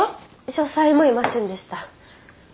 書斎もいませんでした。